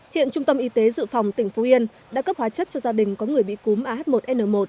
hiện trung tâm y tế dự phòng tỉnh phú yên đã cấp hóa chất cho gia đình có người bị cúm ah một n một